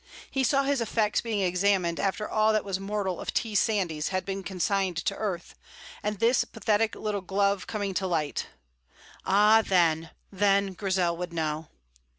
He saw his effects being examined after all that was mortal of T. Sandys had been consigned to earth, and this pathetic little glove coming to light. Ah, then, then Grizel would know!